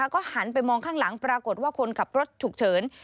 ก็หันไปมองข้างหลังปรากฏว่าคนขับรถฉุกเฉิน